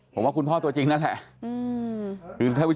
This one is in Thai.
ผมว่าคุณพ่อตัวจริงนั่นแหละ